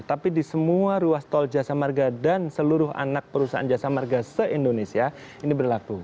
tapi di semua ruas tol jasa marga dan seluruh anak perusahaan jasa marga se indonesia ini berlaku